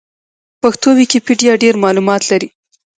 پښتو ويکيپېډيا ډېر معلومات لري.